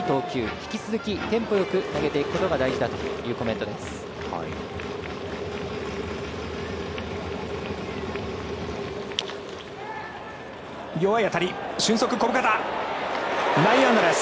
引き続きテンポよく投げていくことが大事だというコメントです。